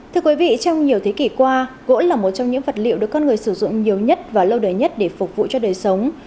thưa quý vị trong nhiều thế kỷ qua gỗ là một trong những vật liệu được con người sử dụng nhiều nhất và lâu đời nhất để phục vụ cho đời sống